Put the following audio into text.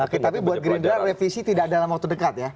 oke tapi buat gerindra revisi tidak dalam waktu dekat ya